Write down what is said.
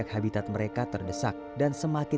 ikutin dengan keberadaan yg mutnakor